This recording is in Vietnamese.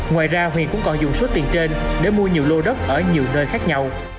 ngoài ra huyền cũng còn dùng số tiền trên để mua nhiều lô đất ở nhiều nơi khác nhau